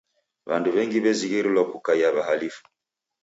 W'andu w'engi w'ezighirilwa kukaia w'ahalifu.